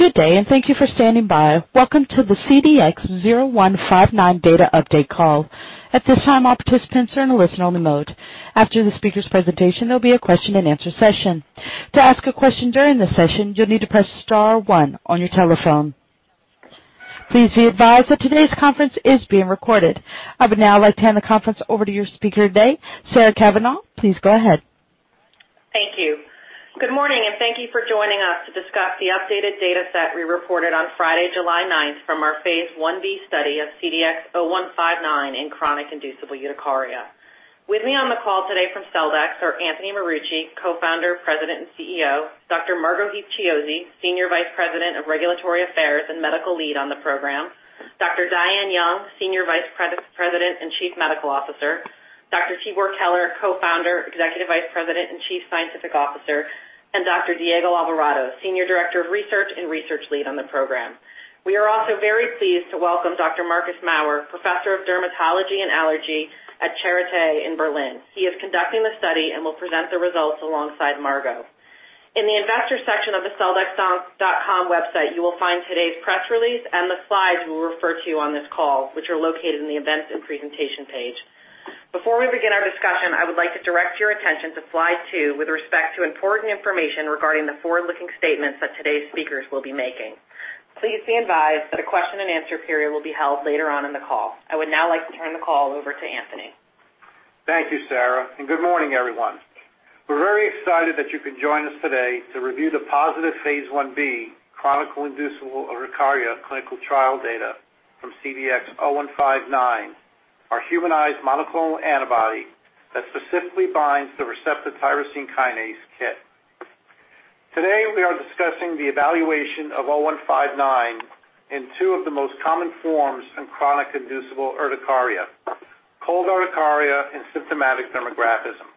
Good day, and thank you for standing by. Welcome to the CDX-0159 data update call. At this time, all participants are in a listen-only mode. After the speaker's presentation, there will be a question-and-answer session. To ask a question during the session, you will need to press star one on your telephone. Please be advised that today's conference is being recorded. I would now like to hand the conference over to your speaker today, Sarah Cavanaugh. Please go ahead. Thank you. Good morning, thank you for joining us to discuss the updated data set we reported on Friday, July 9, from our phase I-B study of CDX-0159 in chronic inducible urticaria. With me on the call today from Celldex are Anthony Marucci, Co-founder, President, and CEO; Dr. Margo Heath-Chiozzi, Senior Vice President of Regulatory Affairs and Medical Lead on the program; Dr. Diane Young, Senior Vice President and Chief Medical Officer; Dr. Tibor Keler, Co-founder, Executive Vice President, and Chief Scientific Officer; and Dr. Diego Alvarado, Senior Director of Research and Research Lead on the program. We are also very pleased to welcome Dr. Marcus Maurer, Professor of Dermatology and Allergy at Charité in Berlin. He is conducting the study and will present the results alongside Margo. In the investor section of the celldex.com website, you will find today's press release and the slides we'll refer to on this call, which are located in the events and presentation page. Before we begin our discussion, I would like to direct your attention to slide two with respect to important information regarding the forward-looking statements that today's speakers will be making. Please be advised that a question-and-answer period will be held later on in the call. I would now like to turn the call over to Anthony. Thank you, Sarah, and good morning, everyone. We're very excited that you can join us today to review the positive phase I-B chronic inducible urticaria clinical trial data from CDX-0159, our humanized monoclonal antibody that specifically binds the receptor tyrosine kinase KIT. Today, we are discussing the evaluation of 0159 in two of the most common forms of chronic inducible urticaria, cold urticaria, and symptomatic dermographism,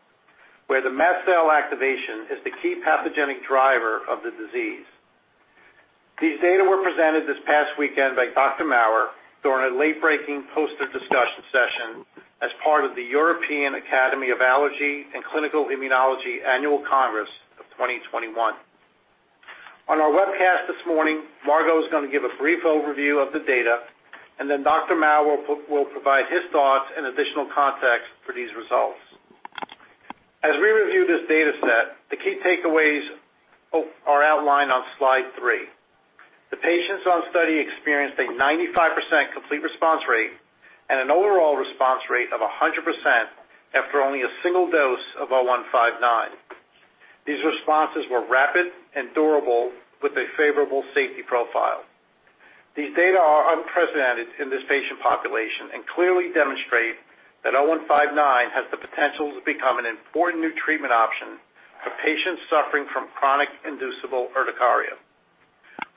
where the mast cell activation is the key pathogenic driver of the disease. These data were presented this past weekend by Dr. Maurer during a late-breaking poster discussion session as part of the European Academy of Allergy and Clinical Immunology Annual Congress of 2021. On our webcast this morning, Margo's going to give a brief overview of the data, and then Dr. Maurer will provide his thoughts and additional context for these results. As we review this data set, the key takeaways are outlined on slide three. The patients on study experienced a 95% complete response rate and an overall response rate of 100% after only a single dose of 0159. These responses were rapid and durable with a favorable safety profile. These data are unprecedented in this patient population and clearly demonstrate that 0159 has the potential to become an important new treatment option for patients suffering from chronic inducible urticaria.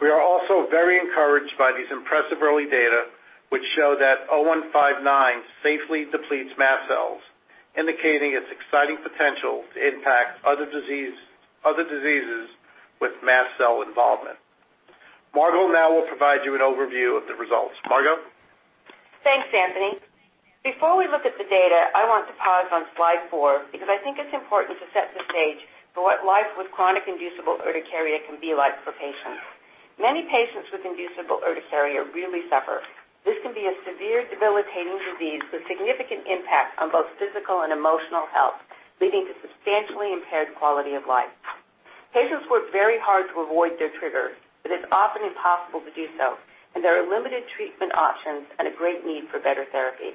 We are also very encouraged by these impressive early data, which show that 0159 safely depletes mast cells, indicating its exciting potential to impact other diseases with mast cell involvement. Margo now will provide you an overview of the results. Margo? Thanks, Anthony. Before we look at the data, I want to pause on slide four because I think it's important to set the stage for what life with chronic inducible urticaria can be like for patients. Many patients with inducible urticaria really suffer. This can be a severe, debilitating disease with significant impact on both physical and emotional health, leading to substantially impaired quality of life. Patients work very hard to avoid their triggers, but it's often impossible to do so, and there are limited treatment options and a great need for better therapy.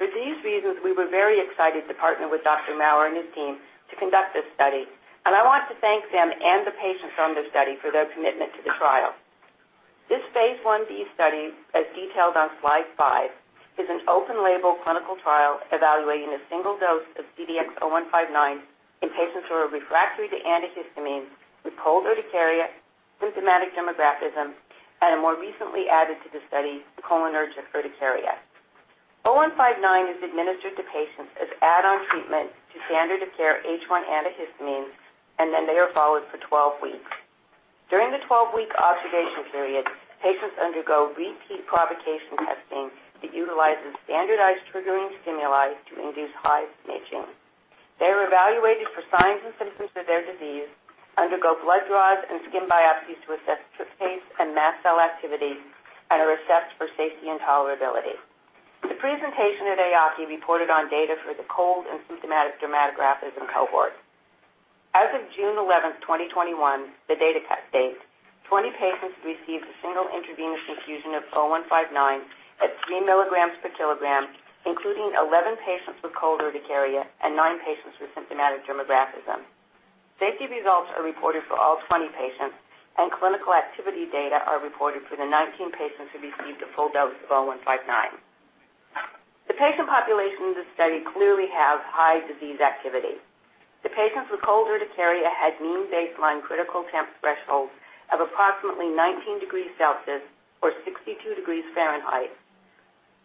For these reasons, we were very excited to partner with Dr. Maurer and his team to conduct this study, and I want to thank them and the patients on the study for their commitment to the trial. This phase I-B study, as detailed on slide five, is an open-label clinical trial evaluating a single dose of CDX-0159 in patients who are refractory to antihistamines with cold urticaria, symptomatic dermographism, and more recently added to the study, cholinergic urticaria. 0159 is administered to patients as add-on treatment to standard-of-care H1 antihistamines, and then they are followed for 12 weeks. During the 12 week observation period, patients undergo repeat provocation testing that utilizes standardized triggering stimuli to induce hives and itching. They are evaluated for signs and symptoms of their disease, undergo blood draws and skin biopsies to assess for tryptase and mast cell activity, and are assessed for safety and tolerability. The presentation at EAACI reported on data for the cold and symptomatic dermographism cohorts. As of June 11th, 2021, the data cut date, 20 patients received a single intravenous infusion of CDX-0159 at 3 mg per kg, including 11 patients with cold urticaria and nine patients with symptomatic dermographism. Safety results are reported for all 20 patients, and clinical activity data are reported for the 19 patients who received a full dose of 0159. The patient populations in the study clearly have high disease activity. The patients with cold urticaria had mean baseline critical temp thresholds of approximately 19 degrees Celsius or 62 degrees Fahrenheit,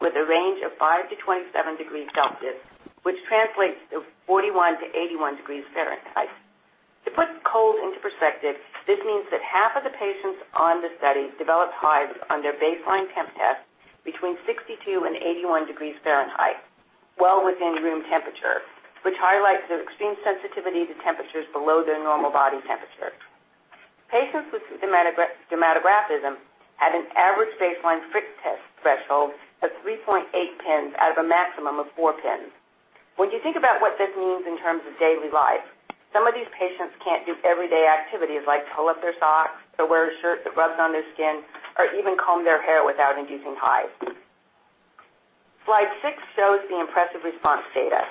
with a range of 5 degrees Celsius-27 degrees Celsius, which translates to 41 degrees Fahrenheit-81 degrees Fahrenheit. To put cold into perspective, this means that half of the patients on the study developed hives on their baseline TempTest between 62 and 81 degrees Fahrenheit. Well within room temperature, which highlights an extreme sensitivity to temperatures below their normal body temperature. Patients with symptomatic dermographism had an average baseline FrivcTest threshold of 3.8 pins out of a maximum of four pins. When you think about what this means in terms of daily life, some of these patients can't do everyday activities like pull up their socks or wear a shirt that rubs on their skin, or even comb their hair without inducing hives. Slide six shows the impressive response data.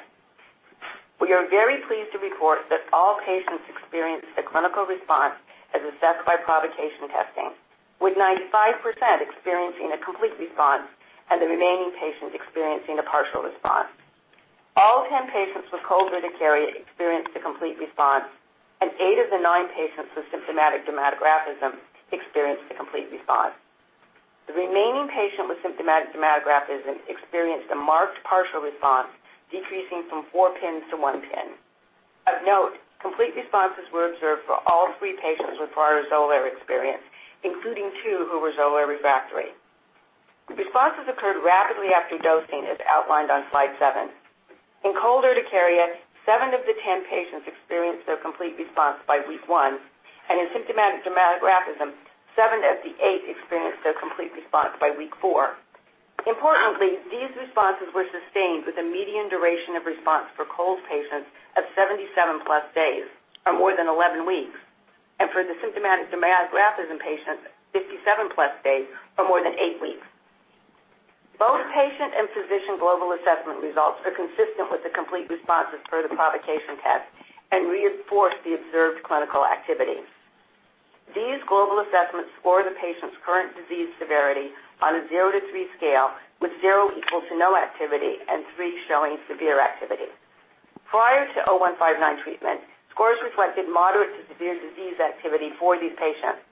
We are very pleased to report that all patients experienced a clinical response as assessed by provocation testing, with 95% experiencing a complete response and the remaining patient experiencing a partial response. All 10 patients with cold urticaria experienced a complete response, and eight of the nine patients with symptomatic dermographism experienced a complete response. The remaining patient with symptomatic dermographism experienced a marked partial response, decreasing from four pins to one pin. Of note, complete responses were observed for all three patients with prior XOLAIR experience, including two who were XOLAIR refractory. The responses occurred rapidly after dosing, as outlined on slide seven. In cold urticaria, seven of the 10 patients experienced their complete response by week one, and in symptomatic dermographism, seven of the eight experienced their complete response by week four. Importantly, these responses were sustained with a median duration of response for cold patients of 77+ days, or more than 11 weeks, and for the symptomatic dermographism patients, 57+ days, or more than eight weeks. Both patient and physician global assessment results are consistent with the complete responses per the provocation test and reinforce the observed clinical activity. These global assessments score the patient's current disease severity on a 0 to 3 scale, with 0 equal to no activity and 3 showing severe activity. Prior to 0159 treatment, scores reflected moderate to severe disease activity for these patients.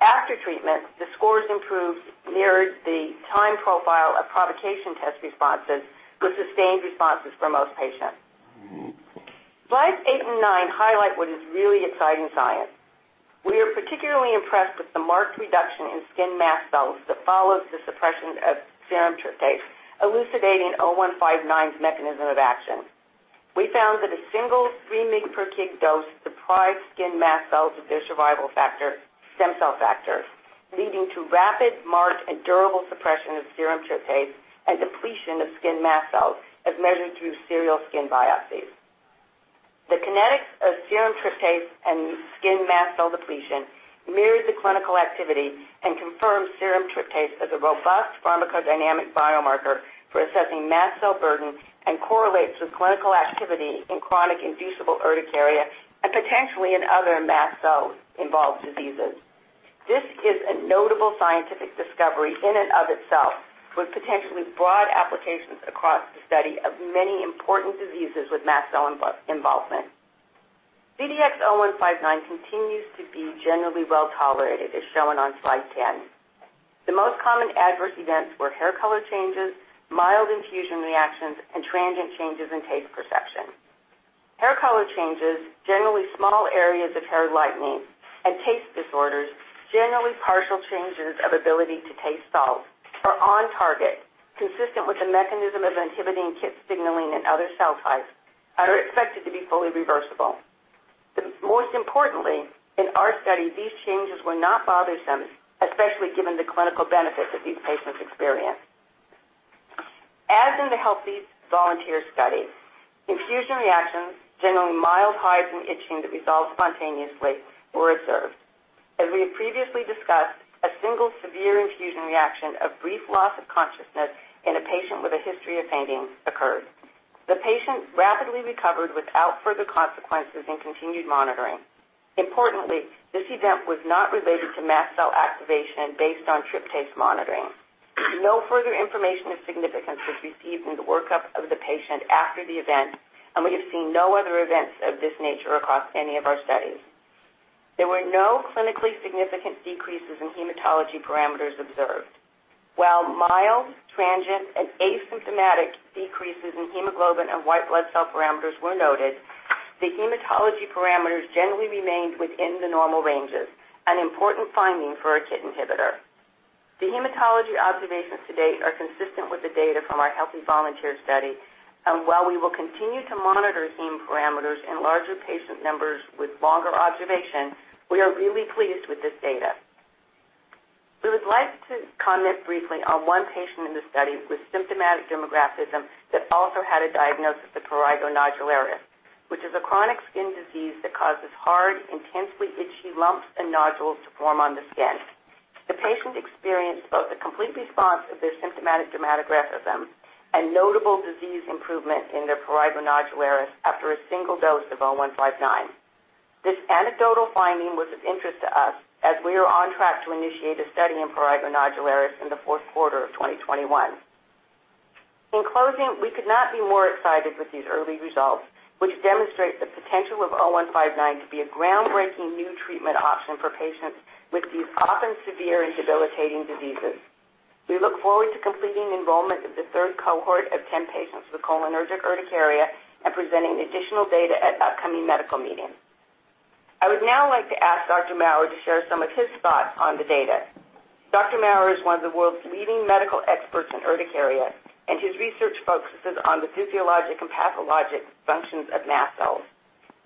After treatment, the scores improved, mirrored the time profile of provocation test responses with sustained responses for most patients. Slides eight and nine highlight what is really exciting science. We are particularly impressed with the marked reduction in skin mast cells that follows the suppression of serum tryptase, elucidating 0159's mechanism of action. We found that a single 3 mg per kg dose deprives skin mast cells of their survival factor, stem cell factor, leading to rapid, marked, and durable suppression of serum tryptase and depletion of skin mast cells as measured through serial skin biopsies. The kinetics of serum tryptase and skin mast cell depletion mirror the clinical activity and confirms serum tryptase is a robust pharmacodynamic biomarker for assessing mast cell burden and correlates with clinical activity in chronic inducible urticaria and potentially in other mast cell-involved diseases. This is a notable scientific discovery in and of itself, with potentially broad applications across the study of many important diseases with mast cell involvement. CDX-0159 continues to be generally well-tolerated, as shown on slide 10. The most common adverse events were hair color changes, mild infusion reactions, and transient changes in taste perception. Hair color changes, generally small areas of hair whitening, and taste disorders, generally partial changes of ability to taste salt, are on target, consistent with the mechanism of antigen and KIT signaling in other cell types, and are expected to be fully reversible. Most importantly, in our study, these changes were not bothersome, especially given the clinical benefits that these patients experienced. As in the healthy volunteer study, infusion reactions, generally mild hives and itching that resolved spontaneously, were observed. As we had previously discussed, a single severe infusion reaction of brief loss of consciousness in a patient with a history of fainting occurred. The patient rapidly recovered without further consequences and continued monitoring. Importantly, this event was not related to mast cell activation based on tryptase monitoring. No further information of significance was seen in the work-up of the patient after the event. We have seen no other events of this nature across any of our studies. There were no clinically significant decreases in hematology parameters observed. While mild, transient, and asymptomatic decreases in hemoglobin and white blood cell parameters were noted, the hematology parameters generally remained within the normal ranges, an important finding for a KIT inhibitor. The hematology observations to date are consistent with the data from our healthy volunteer study. While we will continue to monitor these parameters in larger patient numbers with longer observation, we are really pleased with this data. We would like to comment briefly on 1 patient in the study with symptomatic dermographism that also had a diagnosis of prurigo nodularis, which is a chronic skin disease that causes hard, intensely itchy lumps and nodules to form on the skin. The patient experienced both a complete response of their symptomatic dermographism and notable disease improvement in their prurigo nodularis after a single dose of 0159. This anecdotal finding was of interest to us as we are on track to initiate a study in prurigo nodularis in the fourth quarter of 2021. In closing, we could not be more excited with these early results, which demonstrate the potential of 0159 to be a groundbreaking new treatment option for patients with these often severe and debilitating diseases. We look forward to completing enrollment of the third cohort of 10 patients with cholinergic urticaria and presenting additional data at an upcoming medical meeting. I would now like to ask Dr. Maurer to share some of his thoughts on the data. Dr. Maurer is one of the world's leading medical experts on urticaria, and his research focuses on the physiologic and pathologic functions of mast cells.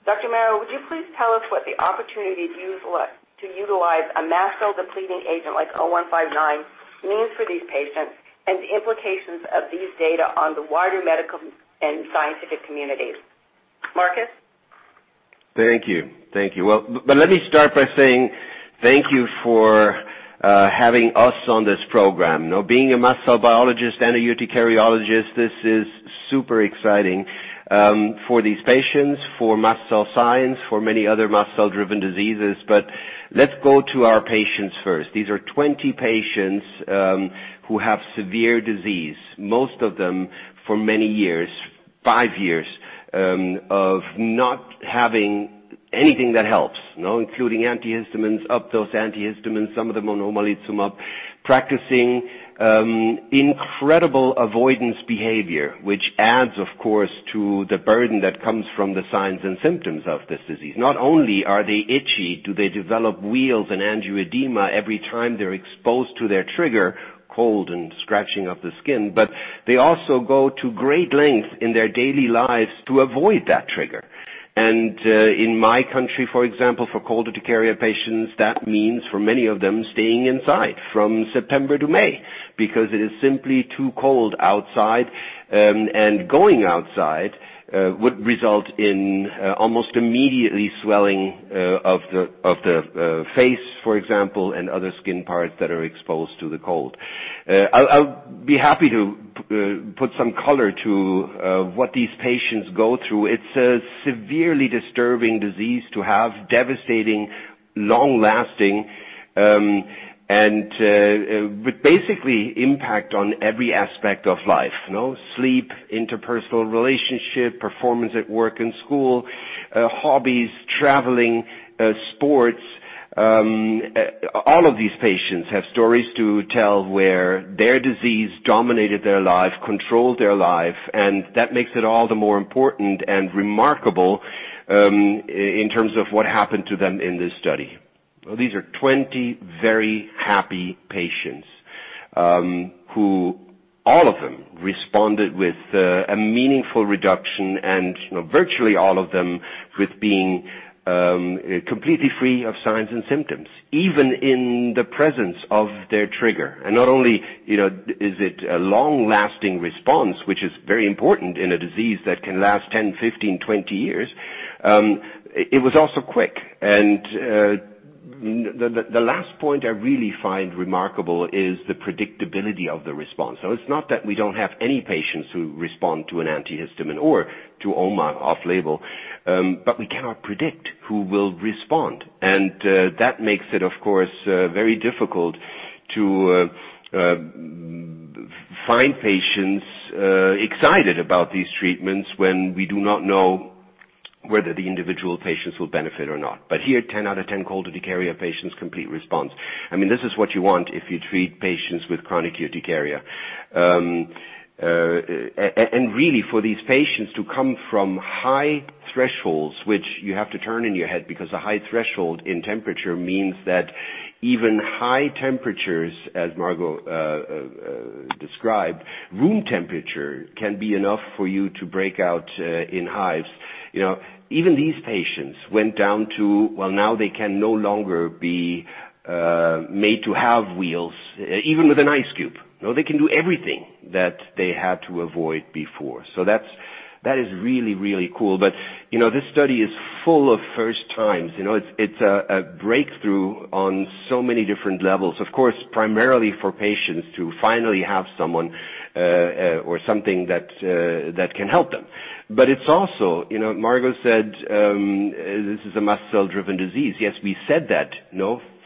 Dr. Maurer, would you please tell us what the opportunity to utilize a mast cell-depleting agent like 0159 means for these patients and the implications of these data on the wider medical and scientific communities? Marcus? Thank you. Let me start by saying thank you for having us on this program. Being a mast Cell Biologist and a Urticarialogist, this is super exciting for these patients, for mast cell science, for many other mast cell-driven diseases. Let's go to our patients first. These are 20 patients who have severe disease, most of them for many years, five years, of not having anything that helps. Including antihistamines, up-dose antihistamines, some of them on omalizumab, practicing incredible avoidance behavior, which adds, of course, to the burden that comes from the signs and symptoms of this disease. Not only are they itchy, do they develop wheals and angioedema every time they're exposed to their trigger, cold and scratching of the skin, but they also go to great lengths in their daily lives to avoid that trigger. In my country, for example, for cold urticaria patients, that means, for many of them, staying inside from September to May because it is simply too cold outside, and going outside would result in almost immediately swelling of the face, for example, and other skin parts that are exposed to the cold. I'll be happy to put some color to what these patients go through. It's a severely disturbing disease to have, devastating, long-lasting, and with basically impact on every aspect of life. Sleep, interpersonal relationship, performance at work and school, hobbies, traveling, sports. All of these patients have stories to tell where their disease dominated their life, controlled their life, and that makes it all the more important and remarkable in terms of what happened to them in this study. These are 20 very happy patients who, all of them, responded with a meaningful reduction and virtually all of them with being completely free of signs and symptoms, even in the presence of their trigger. Not only is it a long-lasting response, which is very important in a disease that can last 10, 15, 20 years, it was also quick. The last point I really find remarkable is the predictability of the response. It's not that we don't have any patients who respond to an antihistamine or to OMA off-label, but we cannot predict who will respond. That makes it, of course, very difficult to find patients excited about these treatments when we do not know whether the individual patients will benefit or not. Here, 10 out of 10 cold urticaria patients, complete response. This is what you want if you treat patients with chronic urticaria. Really, for these patients who come from high thresholds, which you have to turn in your head, because a high threshold in temperature means that even high temperatures, as Margo described, room temperature can be enough for you to break out in hives. Even these patients went down to, well, now they can no longer be made to have wheals, even with an ice cube. They can do everything that they had to avoid before. That is really, really cool. This study is full of first times. It's a breakthrough on so many different levels, of course, primarily for patients to finally have someone or something that can help them. It's also, Margo said this is a mast cell-driven disease. Yes, we said that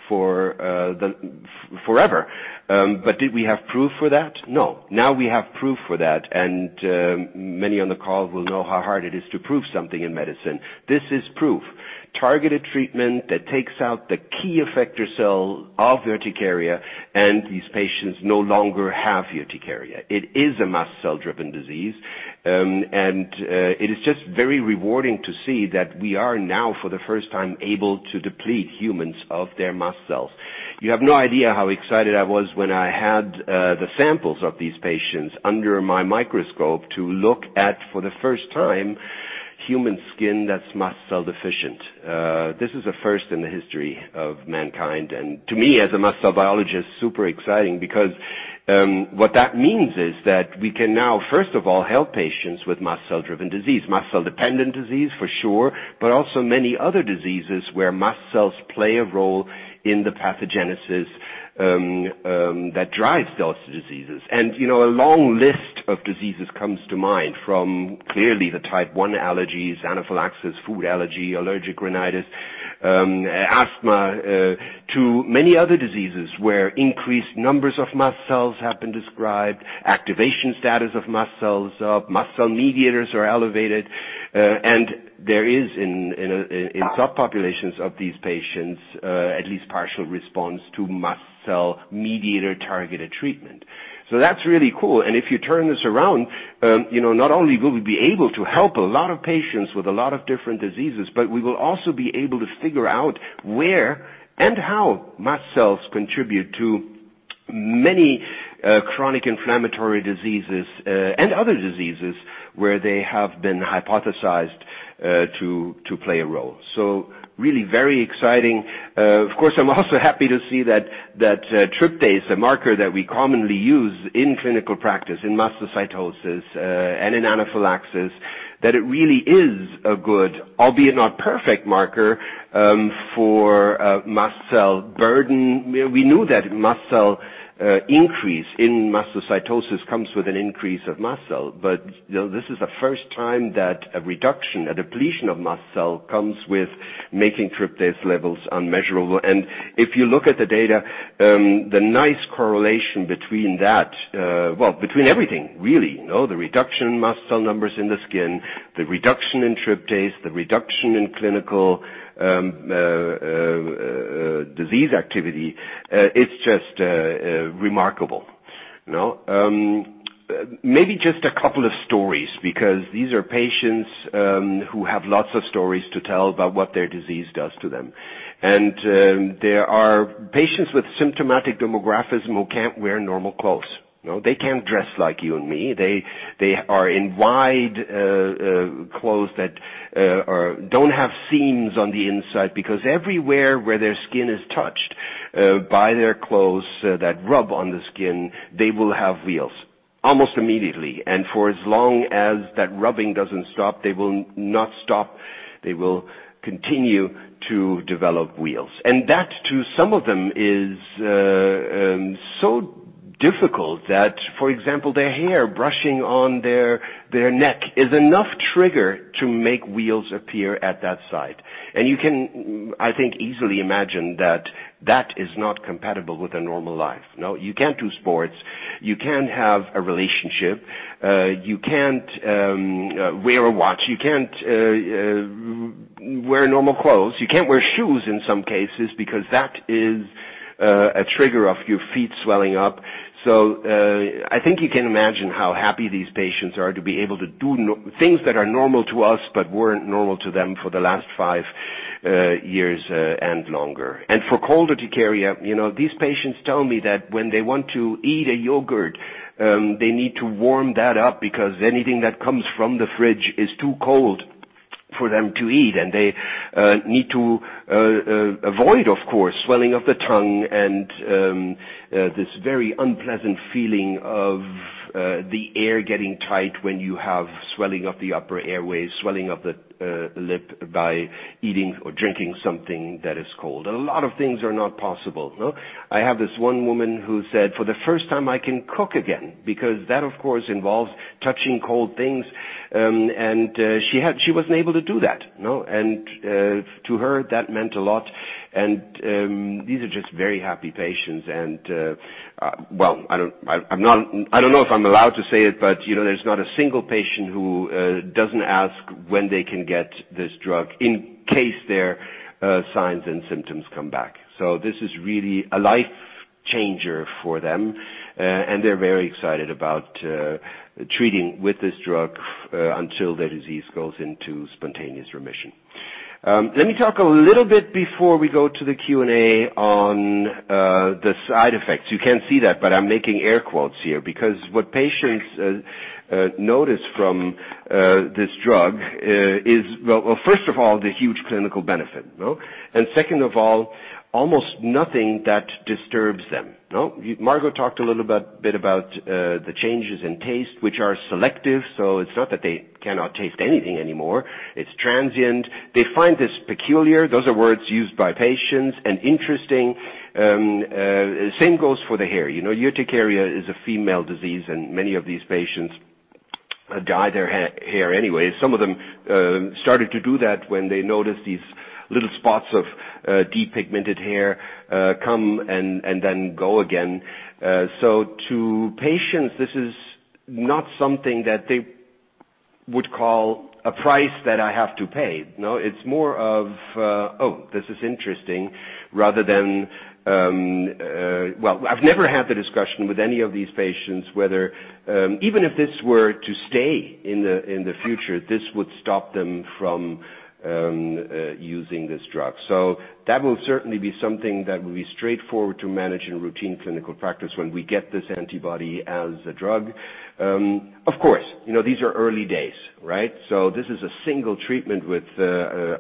forever. Did we have proof for that? No. Now we have proof for that, and many on the call will know how hard it is to prove something in medicine. This is proof. Targeted treatment that takes out the key effector cell of urticaria, and these patients no longer have urticaria. It is a mast cell-driven disease. It is just very rewarding to see that we are now, for the first time, able to deplete humans of their mast cells. You have no idea how excited I was when I had the samples of these patients under my microscope to look at, for the first time, human skin that's mast cell deficient. This is a first in the history of mankind, to me, as a mast Cell Biologist, super exciting because what that means is that we can now, first of all, help patients with mast cell-driven disease. Mast cell-dependent disease, for sure, but also many other diseases where mast cells play a role in the pathogenesis that drives those diseases. A long list of diseases comes to mind, from clearly the type 1 allergies, anaphylaxis, food allergy, allergic rhinitis, asthma, to many other diseases where increased numbers of mast cells have been described, activation status of mast cells, mast cell mediators are elevated. There is, in subpopulations of these patients, at least partial response to mast cell mediator-targeted treatment. That's really cool. If you turn this around, not only will we be able to help a lot of patients with a lot of different diseases, but we will also be able to figure out where and how mast cells contribute to many chronic inflammatory diseases and other diseases where they have been hypothesized to play a role. Really very exciting. Of course, I'm also happy to see that tryptase, a marker that we commonly use in clinical practice, in mastocytosis and in anaphylaxis, that it really is a good, albeit not perfect, marker for mast cell burden. We knew that mast cell increase in mastocytosis comes with an increase of mast cell, but this is the first time that a reduction, a depletion of mast cell comes with making tryptase levels unmeasurable. If you look at the data, the nice correlation between that, well, between everything really. The reduction in mast cell numbers in the skin, the reduction in tryptase, the reduction in clinical disease activity, it's just remarkable. Maybe just a couple of stories, because these are patients who have lots of stories to tell about what their disease does to them. There are patients with symptomatic dermatographism who can't wear normal clothes. They can't dress like you and me. They are in wide clothes that don't have seams on the inside because everywhere where their skin is touched by their clothes that rub on the skin, they will have wheals almost immediately. For as long as that rubbing doesn't stop, they will not stop. They will continue to develop wheals. That, to some of them, is so difficult that, for example, their hair brushing on their neck is enough trigger to make wheals appear at that site. You can, I think, easily imagine that that is not compatible with a normal life. You can't do sports. You can't have a relationship. You can't wear a watch. You can't wear normal clothes. You can't wear shoes in some cases because that is a trigger of your feet swelling up. I think you can imagine how happy these patients are to be able to do things that are normal to us but weren't normal to them for the last five years and longer. For cold urticaria, these patients tell me that when they want to eat a yogurt, they need to warm that up because anything that comes from the fridge is too cold for them to eat, and they need to avoid, of course, swelling of the tongue and this very unpleasant feeling of the air getting tight when you have swelling of the upper airway, swelling of the lip by eating or drinking something that is cold. A lot of things are not possible. I have this one woman who said, "For the first time, I can cook again," because that, of course, involves touching cold things, and she wasn't able to do that. To her, that meant a lot. These are just very happy patients. Well, I don't know if I'm allowed to say it, but there's not a single patient who doesn't ask when they can get this drug in case their signs and symptoms come back. This is really a life changer for them, and they're very excited about treating with this drug until their disease goes into spontaneous remission. Let me talk a little bit before we go to the Q&A on the side effects. You can't see that, but I'm making air quotes here because what patients notice from this drug is, well, first of all, the huge clinical benefit. Second of all, almost nothing that disturbs them. Margo talked a little bit about the changes in taste, which are selective, so it's not that they cannot taste anything anymore. It's transient. They find this peculiar. Those are words used by patients, interesting. Same goes for the hair. Urticaria is a female disease, many of these patients dye their hair anyway. Some of them started to do that when they noticed these little spots of depigmented hair come and then go again. To patients, this is not something that they would call a price that I have to pay. No, it's more of, oh, this is interesting. I've never had the discussion with any of these patients whether even if this were to stay in the future, this would stop them from using this drug. That will certainly be something that will be straightforward to manage in routine clinical practice when we get this antibody as a drug. Of course, these are early days, right? This is a single treatment with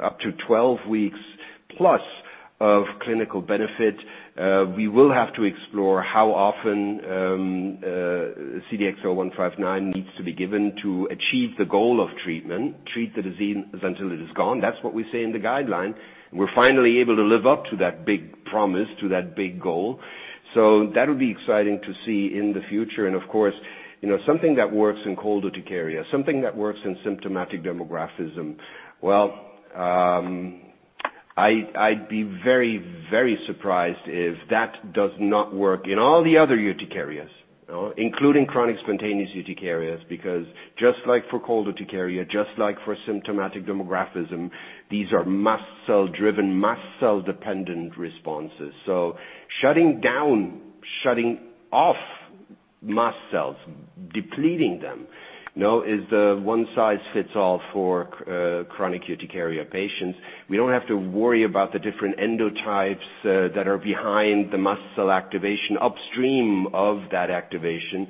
up to 12+ weeks of clinical benefit. We will have to explore how often CDX-0159 needs to be given to achieve the goal of treatment, treat the disease until it is gone. That's what we say in the guideline. We're finally able to live up to that big promise, to that big goal. That'll be exciting to see in the future. Of course, something that works in cold urticaria, something that works in symptomatic dermatographism. I'd be very surprised if that does not work in all the other urticarias, including chronic spontaneous urticarias, because just like for cold urticaria, just like for symptomatic dermatographism, these are mast cell-driven, mast cell-dependent responses. Shutting down, shutting off mast cells, depleting them is the one size fits all for chronic urticaria patients. We don't have to worry about the different endotypes that are behind the mast cell activation upstream of that activation,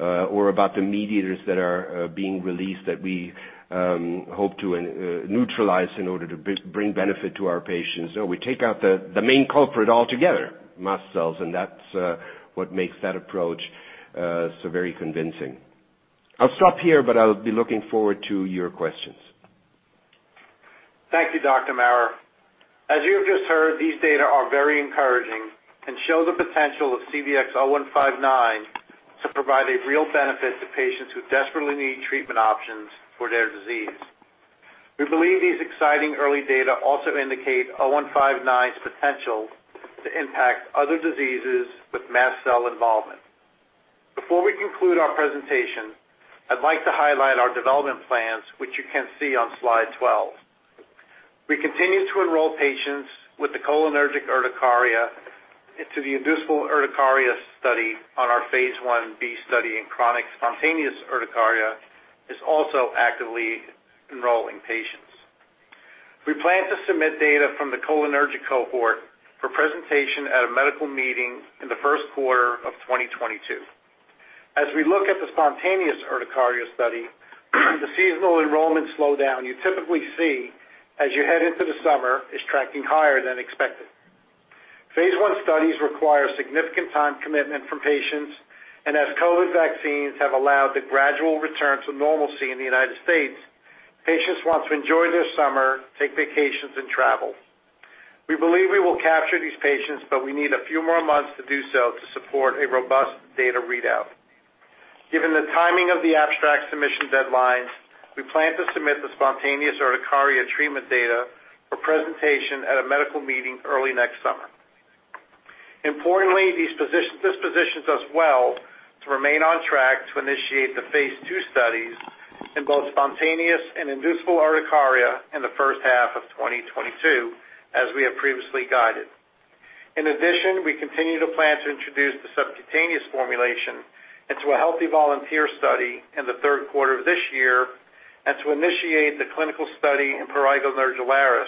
or about the mediators that are being released that we hope to neutralize in order to bring benefit to our patients. We take out the main culprit altogether, mast cells. That's what makes that approach so very convincing. I'll stop here, I'll be looking forward to your questions. Thank you, Dr. Maurer. As you have just heard, these data are very encouraging and show the potential of CDX-0159 to provide a real benefit to patients who desperately need treatment options for their disease. We believe these exciting early data also indicate 0159's potential to impact other diseases with mast cell involvement. Before we conclude our presentation, I'd like to highlight our development plans, which you can see on slide 12. We continue to enroll patients with the cholinergic urticaria into the inducible urticaria study on our phase I-B study, and chronic spontaneous urticaria is also actively enrolling patients. We plan to submit data from the cholinergic cohort for presentation at a medical meeting in the first quarter of 2022. As we look at the spontaneous urticaria study, the seasonal enrollment slowdown you typically see as you head into the summer is tracking higher than expected. Phase I studies require significant time commitment from patients, and as COVID vaccines have allowed the gradual return to normalcy in the U.S., patients want to enjoy their summer, take vacations, and travel. We believe we will capture these patients, but we need a few more months to do so to support a robust data readout. Given the timing of the abstract submission deadlines, we plan to submit the spontaneous urticaria treatment data for presentation at a medical meeting early next summer. Importantly, this positions us well to remain on track to initiate the phase II studies in both spontaneous and inducible urticaria in the first half of 2022, as we have previously guided. In addition, we continue to plan to introduce the subcutaneous formulation into a healthy volunteer study in the third quarter of this year, and to initiate the clinical study in prurigo nodularis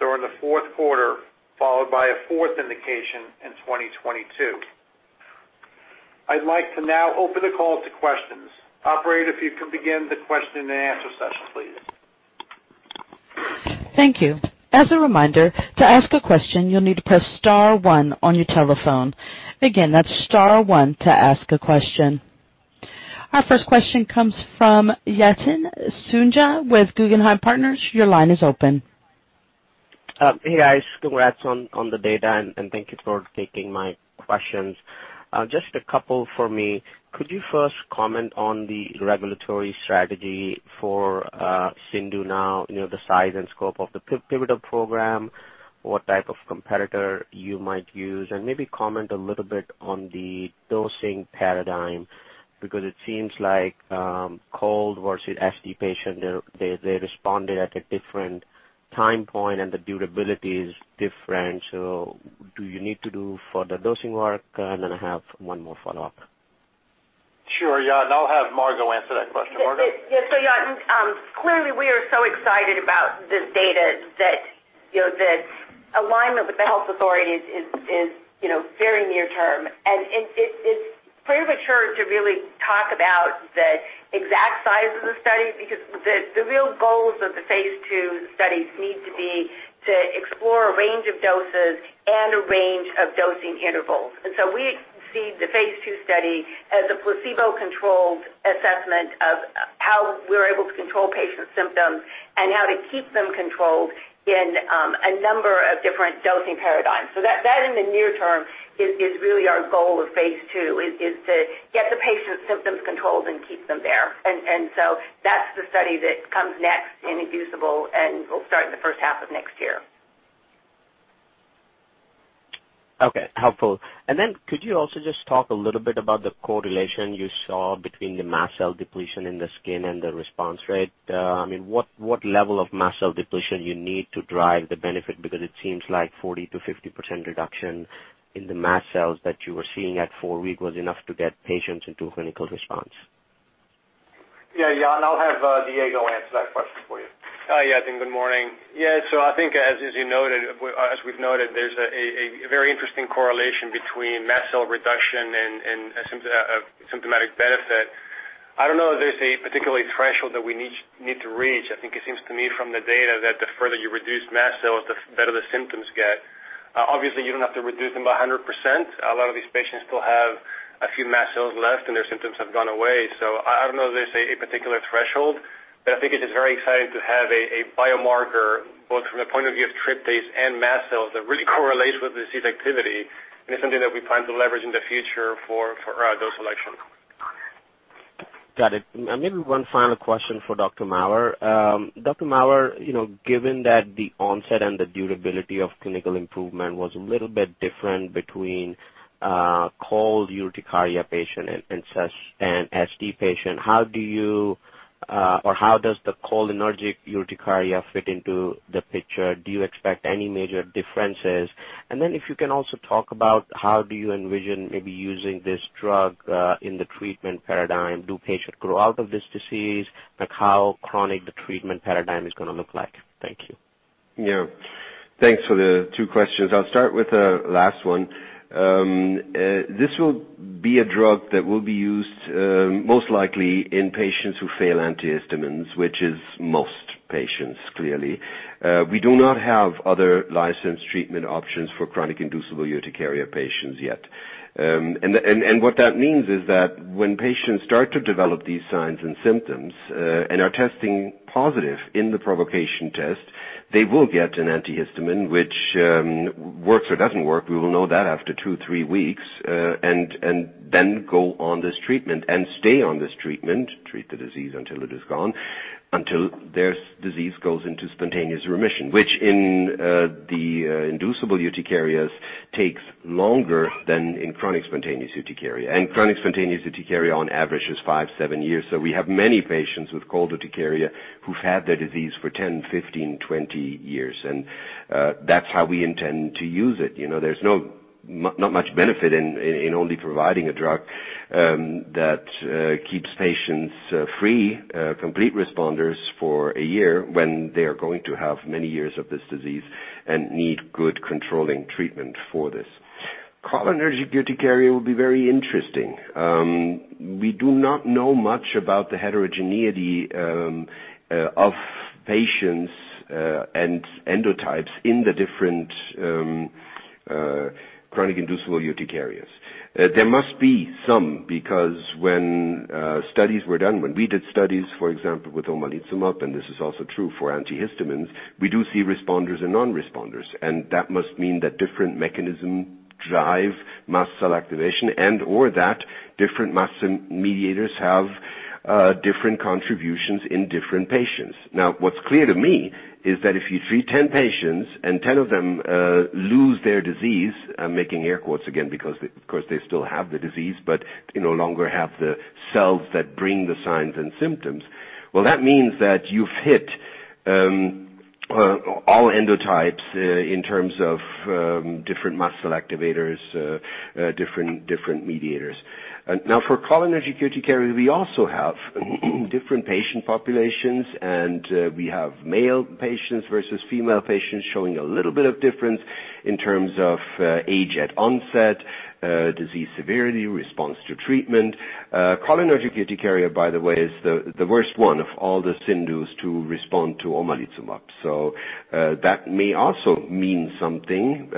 during the fourth quarter, followed by a fourth indication in 2022. I'd like to now open the call to questions. Operator, if you could begin the question and answer session, please. Thank you. As a reminder, to ask a question, you'll need to press star one on your telephone. Again, that's star one to ask a question. Our first question comes from Yatin Suneja with Guggenheim Partners. Your line is open. Hey, guys. Congrats on the data. Thank you for taking my questions. Just a couple from me. Could you first comment on the regulatory strategy for CIndU now, the size and scope of the pivotal program, what type of comparator you might use? Maybe comment a little bit on the dosing paradigm, because it seems like cold versus SD patient, they responded at a different time point, and the durability is different. Do you need to do for the dosing work? I have one more follow-up. Sure. Yatin, I'll have Margo answer that question for you. Yatin, clearly, we are so excited about this data that the alignment with the health authorities is very near-term. It's premature to really talk about the exact size of the study because the real goals of the phase II studies need to be to explore a range of doses and a range of dosing intervals. We see the phase II study as a placebo-controlled assessment of how we're able to control patients' symptoms and how to keep them controlled in a number of different dosing paradigms. That in the near term is really our goal with phase II, is to get the patients' symptoms controlled and keep them there. That's the study that comes next in inducible, and we'll start in the first half of next year. Okay. Helpful. Could you also just talk a little bit about the correlation you saw between the mast cell depletion in the skin and the response rate? What level of mast cell depletion you need to drive the benefit? It seems like 40%-50% reduction in the mast cells that you were seeing at four weeks was enough to get patients into clinical response. Yeah, Yatin, I'll have Diego answer that question for you. Hi, Yatin. Good morning. Yeah. I think as we've noted, there's a very interesting correlation between mast cell reduction and symptomatic benefit. I don't know that there's a particular threshold that we need to reach. I think it seems to me from the data that the further you reduce mast cells, the better the symptoms get. Obviously, you don't have to reduce them 100%. A lot of these patients still have a few mast cells left, and their symptoms have gone away. I don't know if there's a particular threshold, but I think it is very exciting to have a biomarker, both from the point of view of tryptase and mast cells, that really correlates with disease activity, and something that we plan to leverage in the future for our dose selection. Got it. Maybe one final question for Dr. Maurer. Dr. Maurer, given that the onset and the durability of clinical improvement was a little bit different between cold urticaria patient and SD patient, how does the cholinergic urticaria fit into the picture? Do you expect any major differences? If you can also talk about how do you envision maybe using this drug in the treatment paradigm. Do patients grow out of this disease? How chronic the treatment paradigm is going to look like? Thank you. Yeah. Thanks for the two questions. I'll start with the last one. This will be a drug that will be used, most likely in patients who fail antihistamines, which is most patients, clearly. We do not have other licensed treatment options for chronic inducible urticaria patients yet. What that means is that when patients start to develop these signs and symptoms, and are testing positive in the provocation test, they will get an antihistamine, which works or doesn't work. We will know that after two or three weeks, and then go on this treatment and stay on this treatment, treat the disease until it is gone, until their disease goes into spontaneous remission, which in the inducible urticarias takes longer than in chronic spontaneous urticaria. Chronic spontaneous urticaria on average is five, seven years. We have many patients with cold urticaria who've had the disease for 10, 15, 20 years. That's how we intend to use it. There's not much benefit in only providing a drug that keeps patients free, complete responders for one year, when they're going to have many years of this disease and need good controlling treatment for this. Cholinergic urticaria will be very interesting. We do not know much about the heterogeneity of patients and endotypes in the different chronic inducible urticarias. There must be some, because when studies were done, when we did studies, for example, with omalizumab, and this is also true for antihistamines, we do see responders and non-responders. That must mean that different mechanisms drive mast cell activation and/or that different mast cell mediators have different contributions in different patients. What's clear to me is that if you treat 10 patients and 10 of them lose their disease, I'm making air quotes again because, of course, they still have the disease, but they no longer have the cells that bring the signs and symptoms. That means that you've hit all endotypes, in terms of different mast cell activators, different mediators. For cholinergic urticaria, we also have different patient populations, and we have male patients versus female patients showing a little bit of difference in terms of age at onset, disease severity, response to treatment. Cholinergic urticaria, by the way, is the worst one of all the CIndUs to respond to omalizumab. That may also mean something.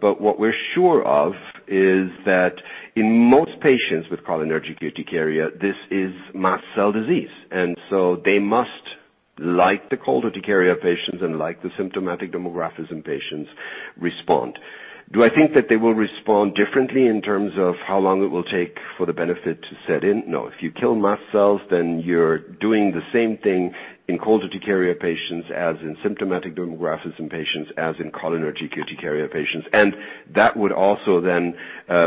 What we're sure of is that in most patients with cholinergic urticaria, this is mast cell disease. They must like the cold urticaria patients and like the symptomatic dermographism patients respond. Do I think that they will respond differently in terms of how long it will take for the benefit to set in? No. If you kill mast cells, then you're doing the same thing in cold urticaria patients as in symptomatic dermographism patients, as in cholinergic urticaria patients. That would also then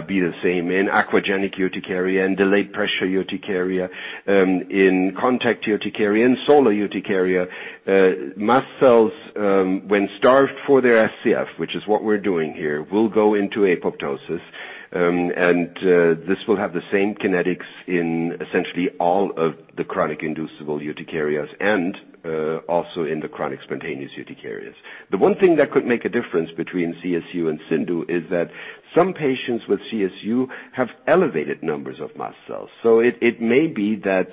be the same in aquagenic urticaria and delayed pressure urticaria, in contact urticaria, and solar urticaria. Mast cells, when starved for their SCF, which is what we're doing here, will go into apoptosis. This will have the same kinetics in essentially all of the chronic inducible urticarias and also in the chronic spontaneous urticarias. The one thing that could make a difference between CSU and CIndU is that some patients with CSU have elevated numbers of mast cells. It may be that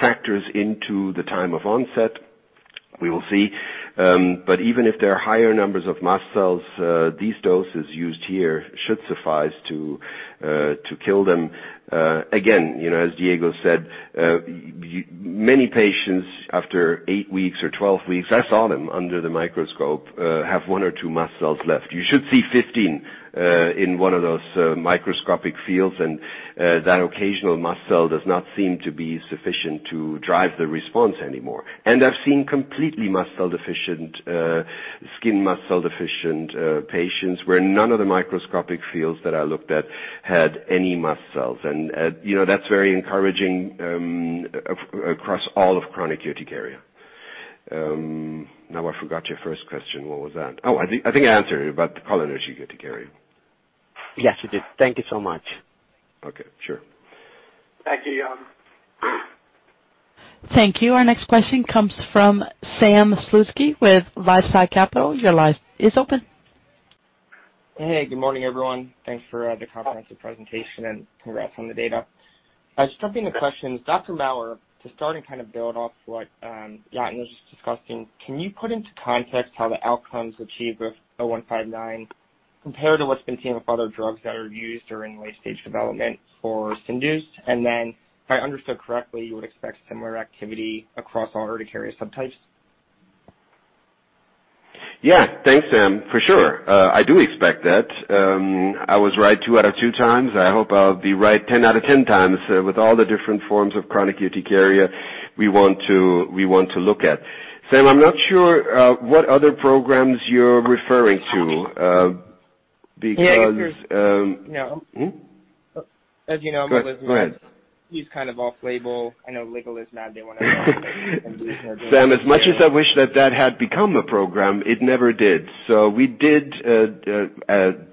factors into the time of onset. We will see. Even if there are higher numbers of mast cells, these doses used here should suffice to kill them. Again, as Diego said, many patients after eight weeks or 12 weeks, I saw them under the microscope, have one or two mast cells left. You should see 15 in one of those microscopic fields, and that occasional mast cell does not seem to be sufficient to drive the response anymore. I've seen completely mast cell-deficient, skin mast cell-deficient patients where none of the microscopic fields that I looked at had any mast cells. That's very encouraging across all of chronic urticaria. I forgot your first question. What was that? Oh, I think I answered it about the cholinergic urticaria. Yes, you did. Thank you so much. Okay. Sure. Thank you. Thank you. Our next question comes from Sam Slutsky with LifeSci Capital. Your line is open. Hey, good morning, everyone. Thanks for the comprehensive presentation and congrats on the data. Just a couple of questions. Dr. Maurer, to start and ` off what Johannes is discussing, can you put into context how the outcomes achieved with 0159 compare to what's been seen with other drugs that are used during late-stage development for CIndUs? If I understood correctly, you would expect similar activity across all urticaria subtypes. Yeah. Thanks, Sam. For sure. I do expect that. I was right two out of two times. I hope I'll be right 10 out of 10 times with all the different forms of chronic urticaria we want to look at. Sam, I'm not sure what other programs you're referring to. Yeah, I guess, as you know. Go ahead. He's kind of off-label. I know ligelizumab. They want to hang up on me and lose me every time. Sam, as much as I wish that that had become the program, it never did. We did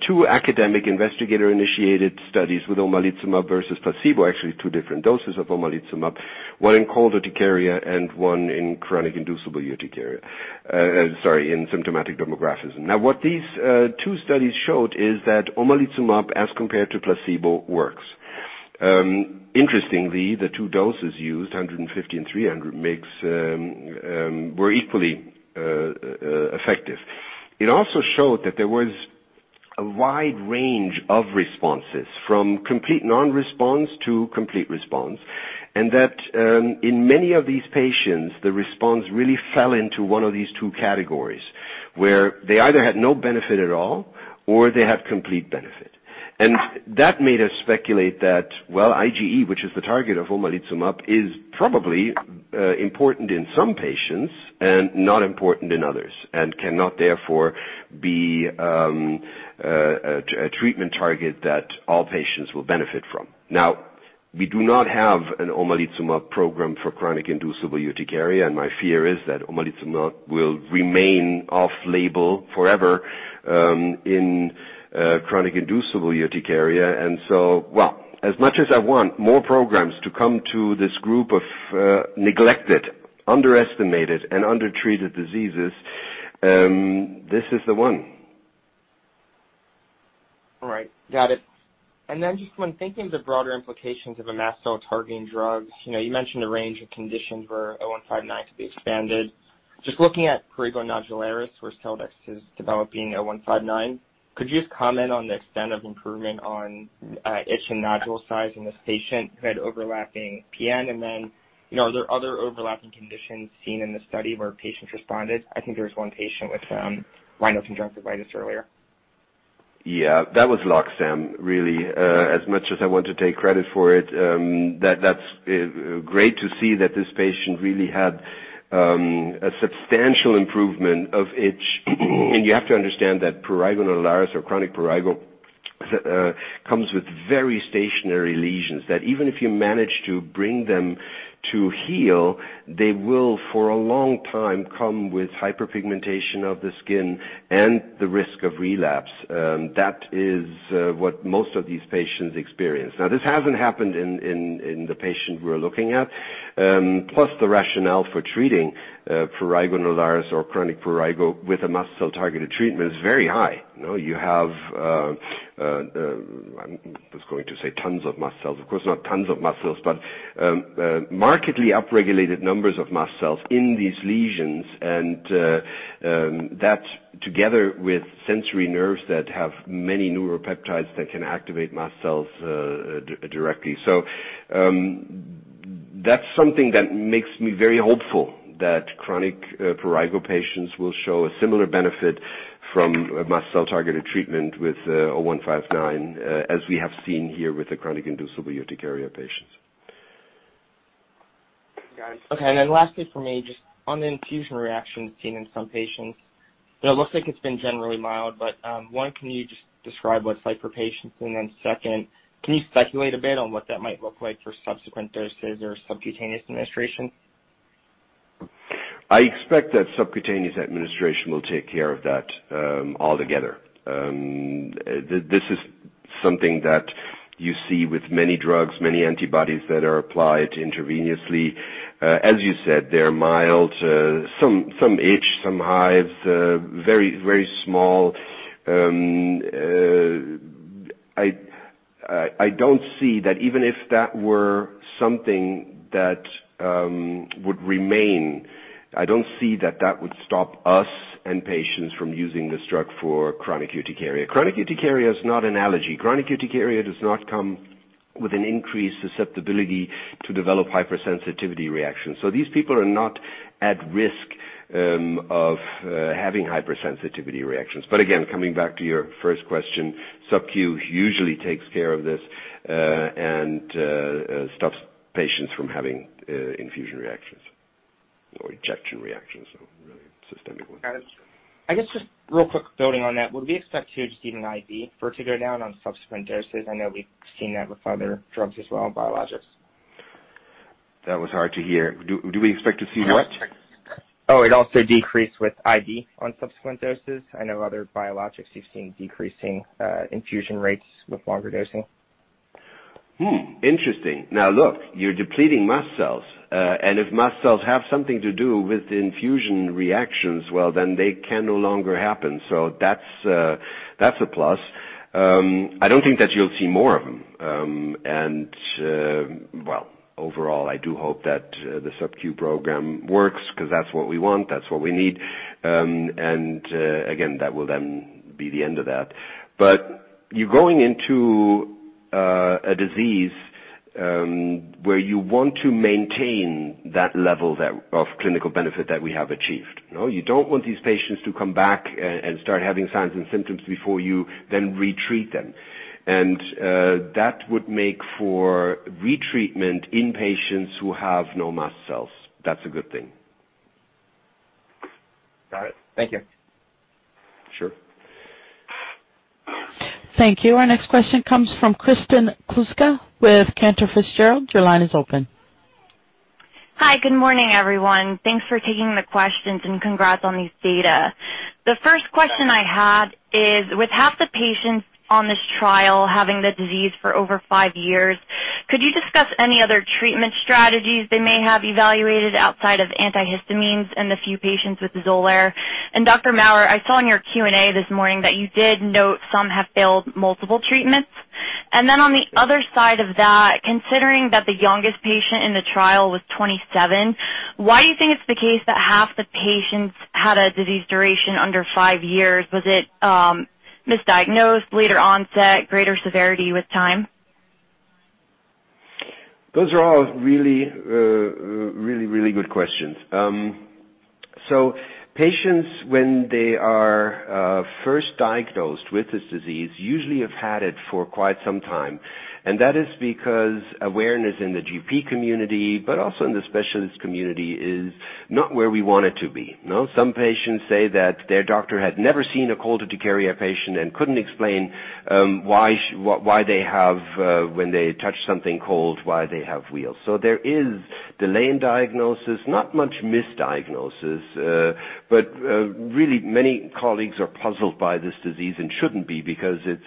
two academic investigator-initiated studies with omalizumab versus placebo, actually two different doses of omalizumab, one in cold urticaria and one in chronic inducible urticaria, sorry, in symptomatic dermographism. What these two studies showed is that omalizumab as compared to placebo works. Interestingly, the two doses used, 150 mg and 300 mg, were equally effective. It also showed that there was a wide range of responses, from complete non-response to complete response, and that in many of these patients, the response really fell into one of these two categories, where they either had no benefit at all or they had complete benefit. That made us speculate that, well, IgE, which is the target of omalizumab, is probably important in some patients and not important in others and cannot therefore be a treatment target that all patients will benefit from. Now, we do not have an omalizumab program for chronic inducible urticaria, and my fear is that omalizumab will remain off-label forever in chronic inducible urticaria. Well, as much as I want more programs to come to this group of neglected, underestimated, and undertreated diseases, this is the one. All right. Got it. Just when thinking of the broader implications of a mast cell-targeting drug, you mentioned the range of conditions where 0159 could be expanded. Just looking at prurigo nodularis, where Celldex is developing 0159, could you just comment on the extent of improvement on itch and nodule size in this patient who had overlapping PN? Are there other overlapping conditions seen in the study where patients responded? I think there was one patient with rhinosinusitis earlier. Yeah, that was luck, Sam, really. As much as I want to take credit for it, that's great to see that this patient really had a substantial improvement of itch. You have to understand that prurigo nodularis or chronic prurigo comes with very stationary lesions, that even if you manage to bring them to heal, they will, for a long time, come with hyperpigmentation of the skin and the risk of relapse. That is what most of these patients experience. Now, this hasn't happened in the patient we're looking at. Plus, the rationale for treating prurigo nodularis or chronic prurigo with a mast cell-targeted treatment is very high. You have, I was going to say tons of mast cells, of course, not tons of mast cells, but markedly upregulated numbers of mast cells in these lesions. That together with sensory nerves that have many neuropeptides that can activate mast cells directly. That's something that makes me very hopeful that chronic prurigo patients will show a similar benefit from a mast cell-targeted treatment with 0159 as we have seen here with the chronic inducible urticaria patients. Got it. Okay, lastly from me, just on the infusion reactions seen in some patients, it looks like it has been generally mild, but one, can you just describe what it is like for patients? two, can you speculate a bit on what that might look like for subsequent doses or subcutaneous administration? I expect that subcutaneous administration will take care of that altogether. This is something that you see with many drugs, many antibodies that are applied intravenously. As you said, they're mild, some itch, some hives, very small. I don't see that even if that were something that would remain, I don't see that that would stop us and patients from using this drug for chronic urticaria. Chronic urticaria is not an allergy. Chronic urticaria does not come with an increased susceptibility to develop hypersensitivity reactions. These people are not at risk of having hypersensitivity reactions. Again, coming back to your first question, sub-Q usually takes care of this and stops patients from having infusion reactions or injection reactions, really, systemic ones. Got it. Just real quick building on that, would we expect to see an IV vertigo down on subsequent doses? I know we've seen that with other drugs as well, biologics. That was hard to hear. Do we expect to see what? Oh, it also decreased with IV on subsequent doses. I know other biologics you've seen decreasing infusion rates with longer dosing. Interesting. Look, you're depleting mast cells. If mast cells have something to do with the infusion reactions, well, then they can no longer happen. That's a plus. I don't think that you'll see more of them. Well, overall, I do hope that the sub-Q program works because that's what we want, that's what we need. Again, that will then be the end of that. You're going into a disease where you want to maintain that level of clinical benefit that we have achieved. You don't want these patients to come back and start having signs and symptoms before you then re-treat them. That would make for re-treatment in patients who have no mast cells. That's a good thing. Got it. Thank you. Sure. Thank you. Our next question comes from Kristen Kluska with Cantor Fitzgerald. Your line is open. Hi. Good morning, everyone. Thanks for taking the questions, and congrats on these data. The first question I have is, with half the patients on this trial having the disease for over five years, could you discuss any other treatment strategies they may have evaluated outside of antihistamines and the few patients with XOLAIR? Dr. Maurer, I saw in your Q&A this morning that you did note some have failed multiple treatments. Then on the other side of that, considering that the youngest patient in the trial was 27, why do you think it's the case that half the patients had a disease duration under five years? Was it misdiagnosed, later onset, greater severity with time? Those are all really good questions. Patients, when they are first diagnosed with this disease, usually have had it for quite some time. That is because awareness in the GP community, but also in the specialist community, is not where we want it to be. Some patients say that their doctor had never seen a cold urticaria patient and couldn't explain why, when they touch something cold, they have wheals. There is delay in diagnosis, not much misdiagnosis. Really many colleagues are puzzled by this disease and shouldn't be because it's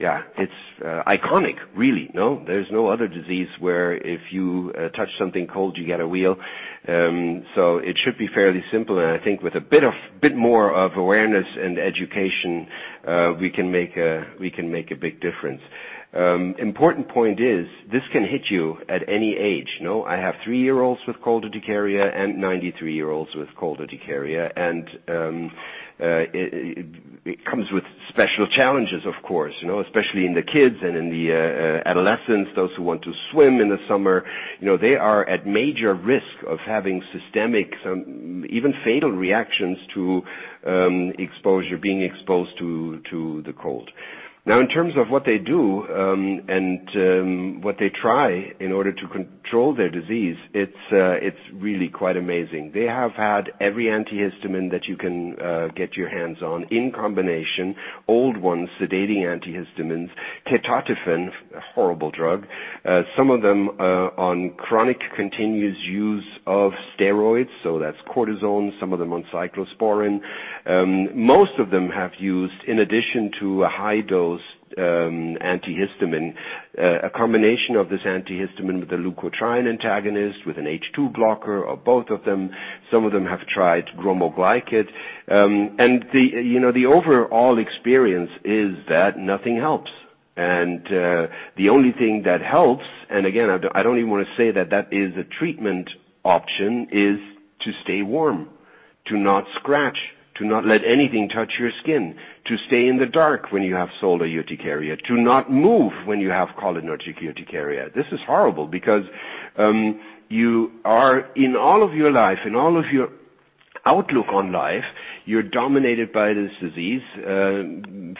iconic, really. There's no other disease where if you touch something cold, you get a wheal. It should be fairly simple, and I think with a bit more of awareness and education, we can make a big difference. Important point is this can hit you at any age. I have three year-olds with cold urticaria and 93-year-olds with cold urticaria. It comes with special challenges, of course, especially in the kids and in the adolescents, those who want to swim in the summer. They are at major risk of having systemic, even fatal reactions to being exposed to the cold. In terms of what they do and what they try in order to control their disease, it's really quite amazing. They have had every antihistamine that you can get your hands on in combination. Old ones, sedating antihistamines, ketotifen, a horrible drug, some of them are on chronic continuous use of steroids, so that's cortisone, some of them on cyclosporine. Most of them have used, in addition to a high-dose antihistamine, a combination of this antihistamine with a leukotriene antagonist, with an H2 blocker, or both of them. Some of them have tried cromoglicate. The overall experience is that nothing helps. The only thing that helps, and again, I don't even want to say that is a treatment option, is to stay warm, to not scratch, to not let anything touch your skin, to stay in the dark when you have solar urticaria, to not move when you have cholinergic urticaria. This is horrible because in all of your life, in all of your outlook on life, you're dominated by this disease.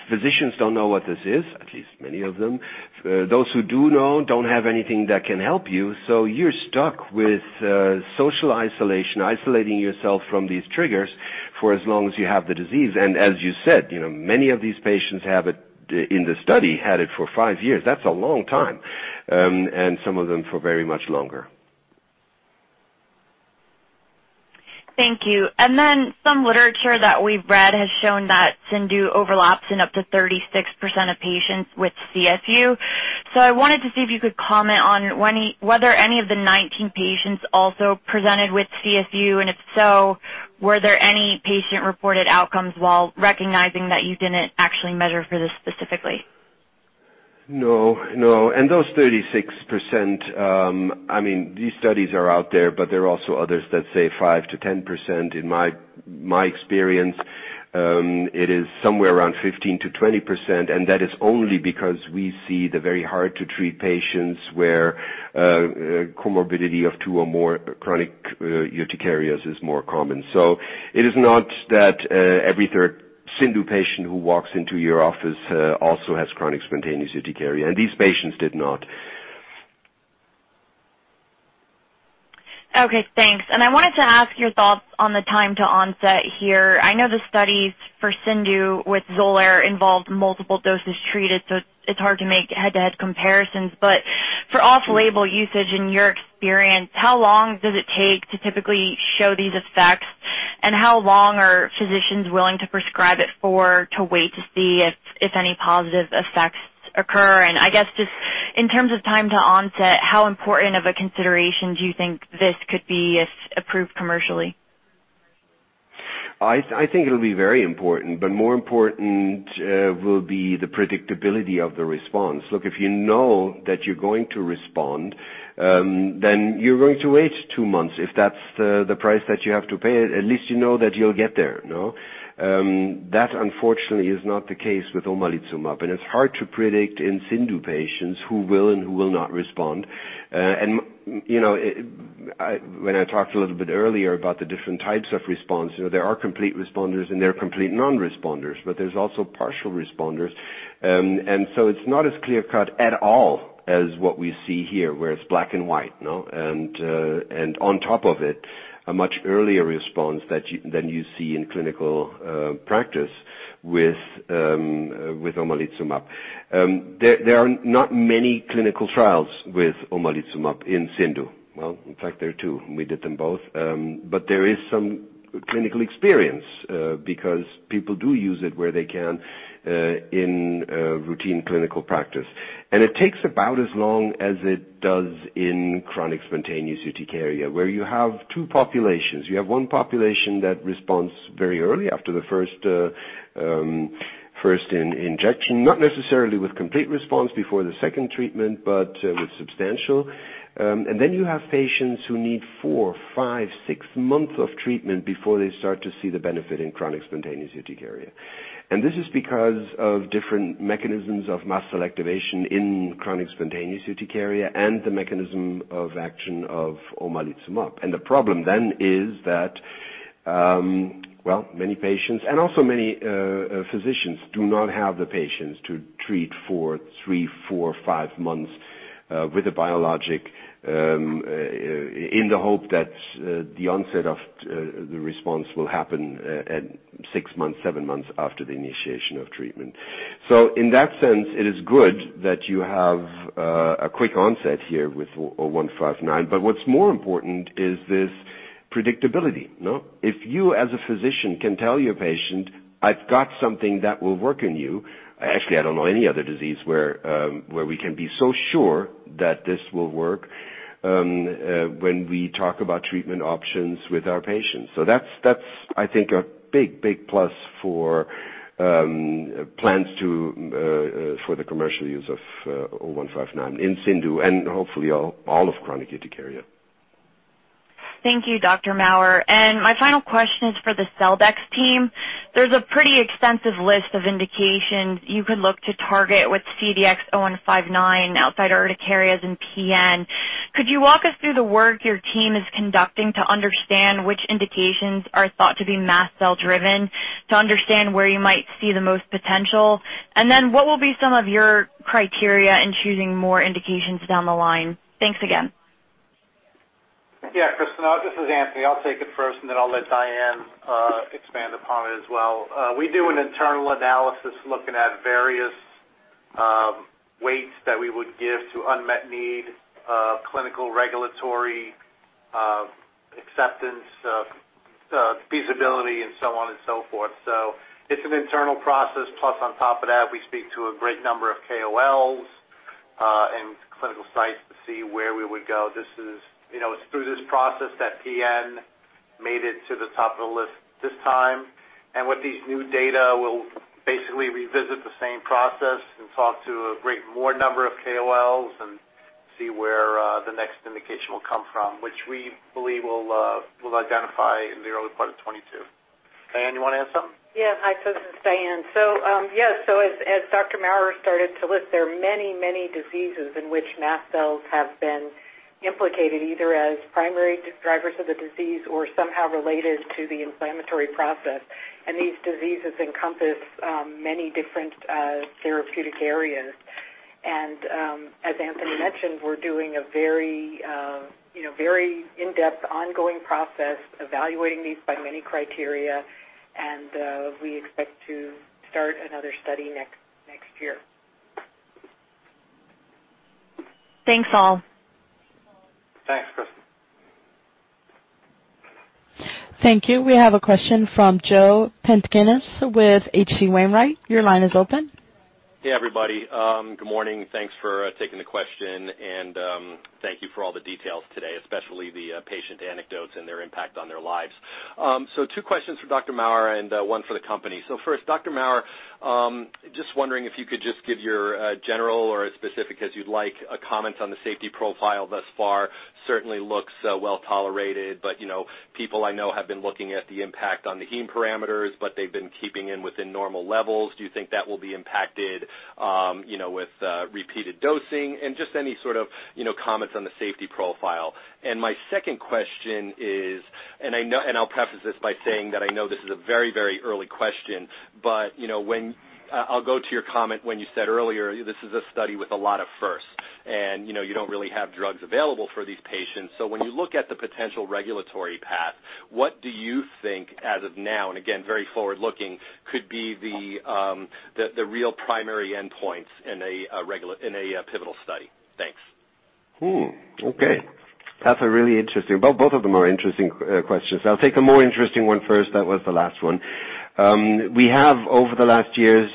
Physicians don't know what this is, at least many of them. Those who do know don't have anything that can help you. You're stuck with social isolation, isolating yourself from these triggers for as long as you have the disease. As you said, many of these patients in the study had it for five years. That's a long time. Some of them for very much longer. Thank you. Some literature that we've read has shown that CIndU overlaps in up to 36% of patients with CSU. I wanted to see if you could comment on whether any of the 19 patients also presented with CSU, and if so, were there any patient-reported outcomes while recognizing that you didn't actually measure for this specifically? No. Those 36%, these studies are out there, but there are also others that say 5%-10%. In my experience, it is somewhere around 15%-20%, that is only because we see the very hard-to-treat patients where comorbidity of two or more chronic urticarias is more common. It is not that every third CIndU patient who walks into your office also has chronic spontaneous urticaria, these patients did not. Okay, thanks. I wanted to ask your thoughts on the time to onset here. I know the studies for CIndU with XOLAIR involved multiple doses treated, so it's hard to make head-to-head comparisons. For off-label usage, in your experience, how long does it take to typically show these effects? How long are physicians willing to prescribe it for to wait to see if any positive effects occur? I guess just in terms of time to onset, how important of a consideration do you think this could be if approved commercially? I think it'll be very important, but more important will be the predictability of the response. Look, if you know that you're going to respond, then you're going to wait two months if that's the price that you have to pay. At least you know that you'll get there. That, unfortunately, is not the case with omalizumab, and it's hard to predict in CIndU patients who will and who will not respond. When I talked a little bit earlier about the different types of response, there are complete responders and there are complete non-responders, but there's also partial responders. It's not as clear-cut at all as what we see here, where it's black and white. On top of it, a much earlier response than you see in clinical practice with omalizumab. There are not many clinical trials with omalizumab in CIndU. Well, in fact, there are two, and we did them both. There is some clinical experience because people do use it where they can in routine clinical practice. It takes about as long as it does in chronic spontaneous urticaria, where you have two populations. You have one population that responds very early after the first injection, not necessarily with complete response before the second treatment, but with substantial. Then you have patients who need four, five, six months of treatment before they start to see the benefit in chronic spontaneous urticaria. This is because of different mechanisms of mast cell activation in chronic spontaneous urticaria and the mechanism of action of omalizumab. The problem then is that, well, many patients and also many physicians do not have the patience to treat for three, four, five months with a biologic in the hope that the onset of the response will happen at six months, seven months after the initiation of treatment. In that sense, it is good that you have a quick onset here with 0159. What's more important is this predictability. If you, as a physician, can tell your patient, "I've got something that will work on you." Actually, I don't know any other disease where we can be so sure that this will work when we talk about treatment options with our patients. That's, I think, a big plus for plans for the commercial use of 0159 in CIndU and hopefully all of chronic urticaria. Thank you, Dr. Maurer. My final question is for the Celldex team. There's a pretty extensive list of indications you could look to target with CDX-0159 outside urticarias and PN. Could you walk us through the work your team is conducting to understand which indications are thought to be mast cell-driven to understand where you might see the most potential? What will be some of your criteria in choosing more indications down the line? Thanks again. Kristen, this is Anthony. I'll take it first, and then I'll let Diane expand upon it as well. We do an internal analysis looking at various weights that we would give to unmet need, clinical regulatory acceptance, feasibility, and so on and so forth. It's an internal process. Plus, on top of that, we speak to a great number of KOLs and clinical sites to see where we would go. It's through this process that PN made it to the top of the list this time. With these new data, we'll basically revisit the same process and talk to a great more number of KOLs and see where the next indication will come from, which we believe we'll identify in the early part of 2022. Diane, you want to add something? Yeah. Hi, this is Diane. As Dr. Maurer started to list, there are many diseases in which mast cells have been implicated, either as primary drivers of the disease or somehow related to the inflammatory process. These diseases encompass many different therapeutic areas. As Anthony mentioned, we're doing a very in-depth, ongoing process, evaluating these by many criteria, and we expect to start another study next year. Thanks, all. Thanks, Kristen. Thank you. We have a question from Joe Pantginis with H.C. Wainwright. Your line is open. Hey, everybody. Good morning. Thanks for taking the question, and thank you for all the details today, especially the patient anecdotes and their impact on their lives. Two questions for Dr. Maurer and one for the company. First, Dr. Maurer, just wondering if you could just give your general or as specific as you'd like, a comment on the safety profile thus far. Certainly looks well-tolerated, but people I know have been looking at the impact on the heme parameters, but they've been keeping it within normal levels. Do you think that will be impacted with repeated dosing? Just any sort of comments on the safety profile. My second question is, and I'll preface this by saying that I know this is a very early question, but I'll go to your comment when you said earlier, this is a study with a lot of firsts, and you don't really have drugs available for these patients. When you look at the potential regulatory path, what do you think as of now, and again, very forward-looking, could be the real primary endpoints in a pivotal study? Thanks. Okay. That's a really interesting. Both of them are interesting questions. I'll take the more interesting one first. That was the last one. We have over the last years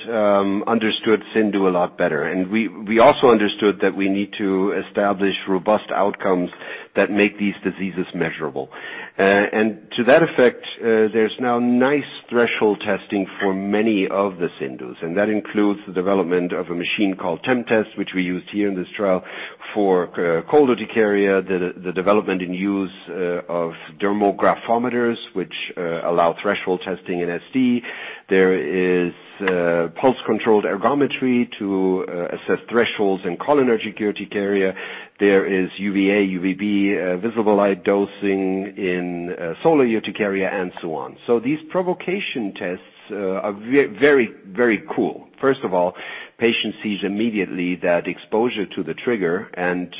understood CIndU a lot better. We also understood that we need to establish robust outcomes that make these diseases measurable. To that effect, there's now nice threshold testing for many of the CIndUs, and that includes the development of a machine called TempTest, which we used here in this trial for cold urticaria, the development and use of dermographometers, which allow threshold testing in SD. There is pulse-controlled ergometry to assess thresholds in cholinergic urticaria. There is UVA, UVB, visible light dosing in solar urticaria, and so on. These provocation tests are very cool. Patient sees immediately that exposure to the trigger and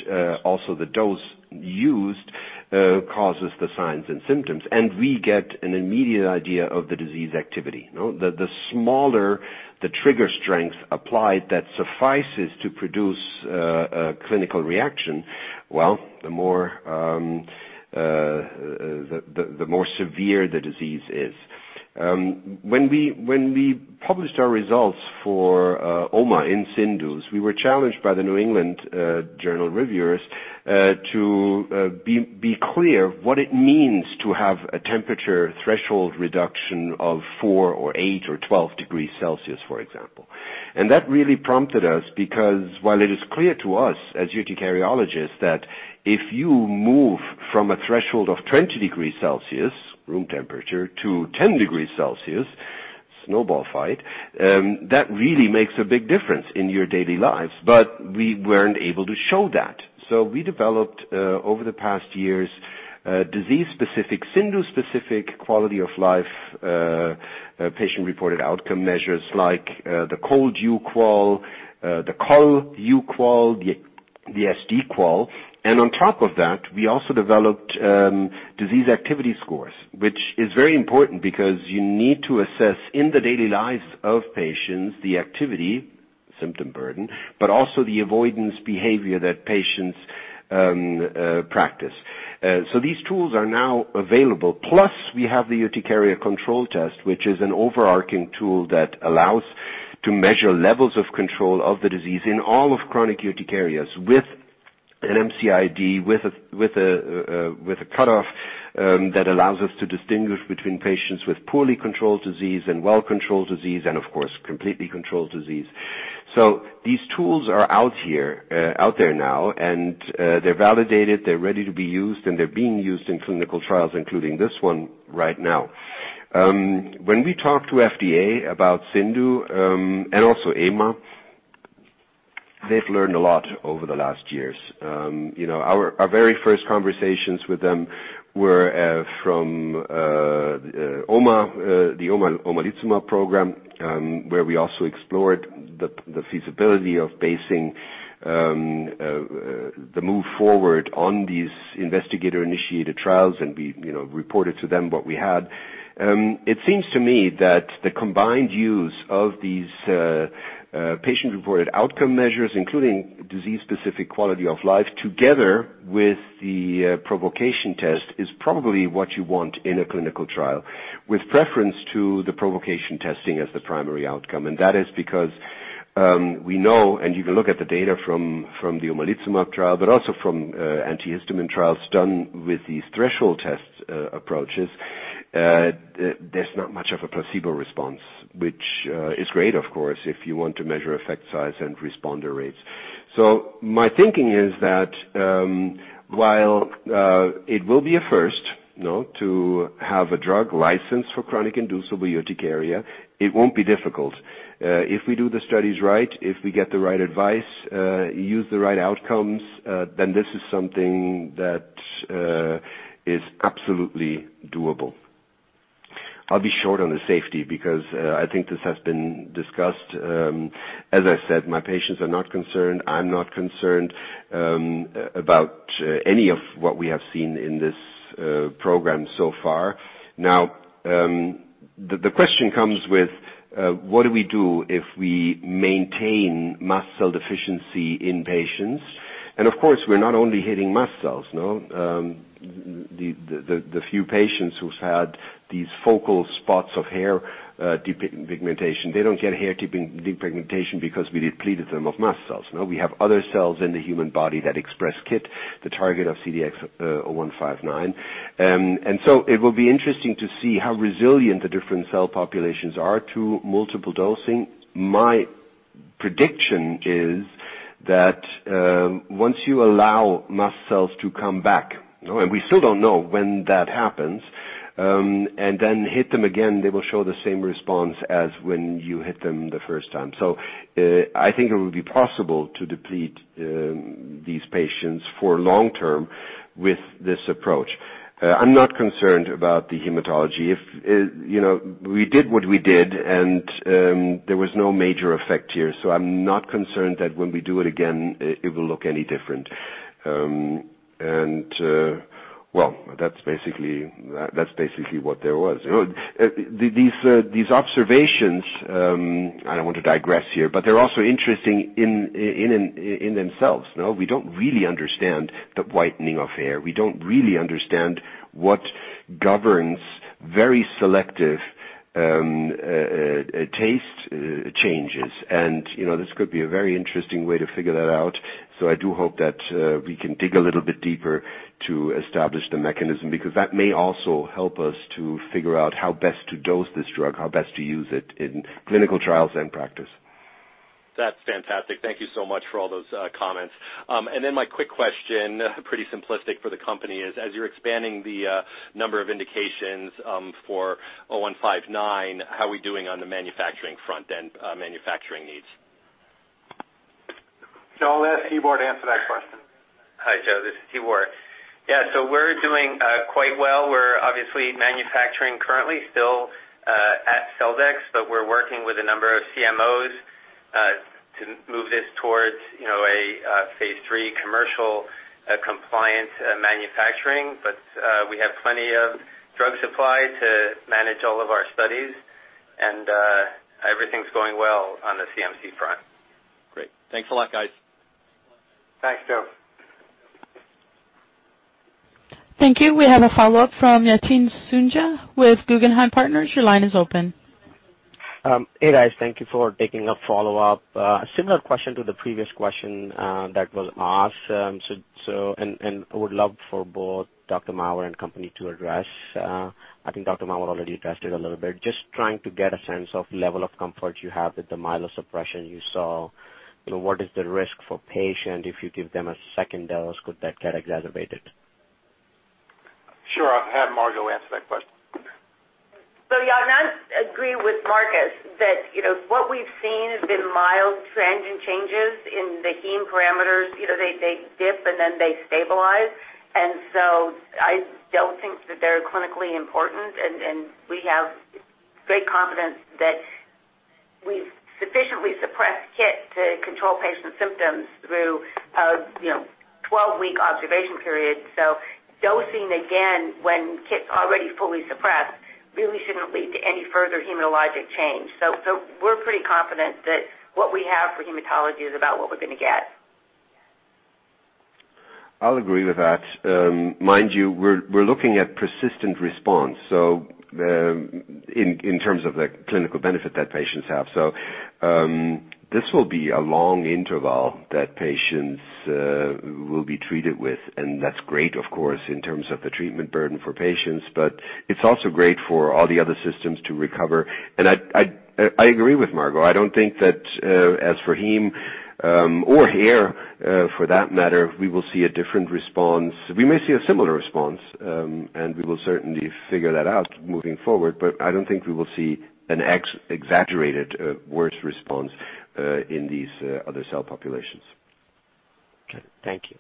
also the dose used causes the signs and symptoms, and we get an immediate idea of the disease activity. The smaller the trigger strength applied that suffices to produce a clinical reaction, well, the more severe the disease is. When we published our results for OMA in CIndUs, we were challenged by the New England Journal reviewers to be clear what it means to have a temperature threshold reduction of 4 or 8 or 12 degrees Celsius, for example. That really prompted us because while it is clear to us as Urticariologists that if you move from a threshold of 20 degrees Celsius, room temperature, to 10 degrees Celsius, snowball fight, that really makes a big difference in your daily lives. We weren't able to show that. We developed, over the past years, disease-specific, CIndU-specific quality of life, patient-reported outcome measures like the ColdU-QoL, the CholU-QoL, the SD-QoL. On top of that, we also developed disease activity scores, which is very important because you need to assess in the daily lives of patients the activity, symptom burden, but also the avoidance behavior that patients practice. These tools are now available. Plus, we have the Urticaria Control Test, which is an overarching tool that allows to measure levels of control of the disease in all of chronic urticarias with an MCID, with a cutoff that allows us to distinguish between patients with poorly controlled disease and well-controlled disease, and of course, completely controlled disease. These tools are out there now, and they're validated, they're ready to be used, and they're being used in clinical trials, including this one right now. When we talk to FDA about CIndU, and also EMA, they've learned a lot over the last years. Our very first conversations with them were from the omalizumab program, where we also explored the feasibility of basing the move forward on these investigator-initiated trials, and we reported to them what we had. It seems to me that the combined use of these patient-reported outcome measures, including disease-specific quality of life, together with the provocation test, is probably what you want in a clinical trial with preference to the provocation testing as the primary outcome. That is because we know, and you can look at the data from the omalizumab trial, but also from antihistamine trials done with these threshold tests approaches, there's not much of a placebo response, which is great, of course, if you want to measure effect size and responder rates. My thinking is that while it will be a first to have a drug licensed for chronic inducible urticaria, it won't be difficult. If we do the studies right, if we get the right advice, use the right outcomes, this is something that is absolutely doable. I'll be short on the safety because I think this has been discussed. As I said, my patients are not concerned, I'm not concerned about any of what we have seen in this program so far. The question comes with, what do we do if we maintain mast cell deficiency in patients? Of course, we're not only hitting mast cells. The few patients who've had these focal spots of hair depigmentation, they don't get hair depigmentation because we depleted them of mast cells. We have other cells in the human body that express KIT, the target of CDX-0159. It will be interesting to see how resilient the different cell populations are to multiple dosing. My prediction is that once you allow mast cells to come back, and we still don't know when that happens, and then hit them again, they will show the same response as when you hit them the first time. I think it would be possible to deplete these patients for long-term with this approach. I'm not concerned about the hematology. We did what we did, and there was no major effect here. I'm not concerned that when we do it again, it will look any different. That's basically what there was. These observations, I don't want to digress here, but they're also interesting in themselves. We don't really understand the whitening of hair. We don't really understand what governs very selective taste changes. This could be a very interesting way to figure that out. I do hope that we can dig a little bit deeper to establish the mechanism, because that may also help us to figure out how best to dose this drug, how best to use it in clinical trials and practice. That's fantastic. Thank you so much for all those comments. My quick question, pretty simplistic for the company is, as you're expanding the number of indications for 0159, how are we doing on the manufacturing front end, manufacturing needs? I'll let Tibor answer that question. Hi, Joe, this is Tibor. Yeah, we're doing quite well. We're obviously manufacturing currently still at Celldex, we're working with a number of CMOs to move this towards a phase III commercial compliance manufacturing. We have plenty of drug supply to manage all of our studies, and everything's going well on the CMC front. Great. Thanks a lot, guys. Thanks, Joe. Thank you. We have a follow-up from Yatin Suneja with Guggenheim Partners. Your line is open. Hey, guys. Thank you for taking a follow-up. Similar question to the previous question that was asked, and I would love for both Dr. Maurer and company to address. I think Dr. Maurer already addressed it a little bit. Just trying to get a sense of level of comfort you have with the myelosuppression you saw. What is the risk for patient if you give them a second dose? Could that get aggravated? Sure. I'll have Margo answer that question. Yatin, I agree with Marcus that what we've seen has been mild, transient changes in the heme parameters. They dip, and then they stabilize. I don't think that they're clinically important, and we have great confidence that we've sufficiently suppressed KIT to control patients' symptoms through a 12 week observation period. Dosing again, when KIT's already fully suppressed, really shouldn't lead to any further hematologic change. We're pretty confident that what we have for hematology is about what we're going to get. I'll agree with that. Mind you, we're looking at persistent response, so in terms of the clinical benefit that patients have. This will be a long interval that patients will be treated with, and that's great, of course, in terms of the treatment burden for patients. It's also great for all the other systems to recover. I agree with Margo. I don't think that as for heme or hair, for that matter, we will see a different response. We may see a similar response, and we will certainly figure that out moving forward. I don't think we will see an exaggerated, worse response in these other cell populations. Okay. Thank you.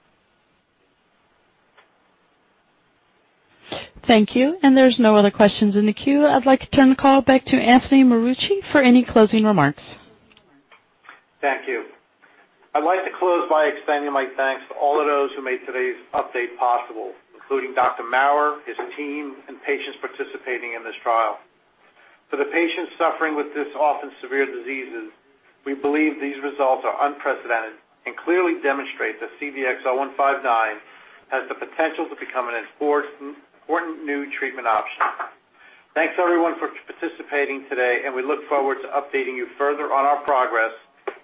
Thank you. There's no other questions in the queue. I'd like to turn the call back to Anthony Marucci for any closing remarks. Thank you. I wanted to close by extending my thanks to all of those who made today's update possible, including Dr. Maurer, his team, and patients participating in this trial. For the patients suffering with this often severe diseases, we believe these results are unprecedented and clearly demonstrate that CDX-0159 has the potential to become an important new treatment option. Thanks, everyone, for participating today, and we look forward to updating you further on our progress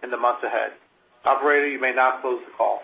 in the months ahead. Operator, you may now close the call.